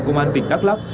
công an tỉnh đắk lắc